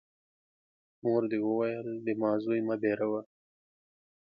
مور دي وویل : زما زوی مه بېروه!